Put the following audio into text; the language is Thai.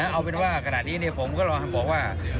เอาเป็นว่ากระดับนี้ผมรอบรับว่า